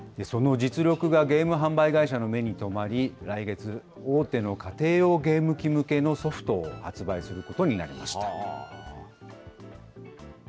その実力がゲーム販売会社の目に留まり、来月、大手の家庭用ゲーム機向けのソフトを発売することになりました。